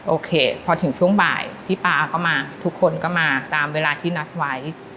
โอเคพอถึงช่วงบ่ายพี่ป๊าก็มาทุกคนก็มาตามเวลาที่นัดไว้